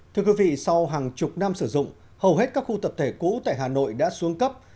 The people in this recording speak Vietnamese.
thưa quý vị sau hàng chục năm sử dụng hầu hết các khu tập thể cũ tại hà nội đã xuống cấp